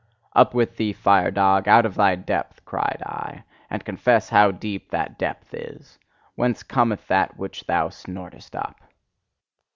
"Up with thee, fire dog, out of thy depth!" cried I, "and confess how deep that depth is! Whence cometh that which thou snortest up?